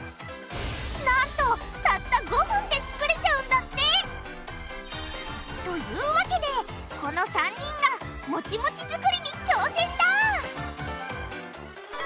なんとたった５分で作れちゃうんだって！というわけでこの３人がモチモチづくりに挑戦だ！